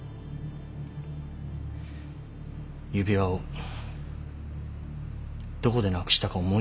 指輪をどこでなくしたか思い出すためです。